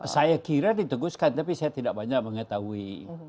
saya kira diteguskan tapi saya tidak banyak mengetahui